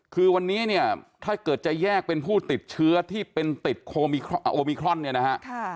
คือวันนี้เนี่ยถ้าเกิดจะแยกเป็นผู้ติดเชื้อที่เป็นติดโอมิครอนเนี่ยนะฮะ